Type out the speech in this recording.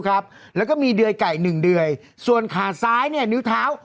ครับแล้วก็มีเดื่อยไก่หนึ่งเดือยส่วนขาซ้ายเนี่ยนิ้วเท้า